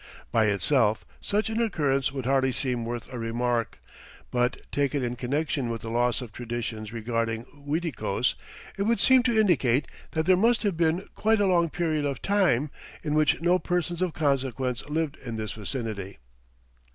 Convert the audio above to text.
By itself, such an occurrence would hardly seem worth a remark, but taken in connection with the loss of traditions regarding Uiticos, it would seem to indicate that there must have been quite a long period of time in which no persons of consequence lived in this vicinity.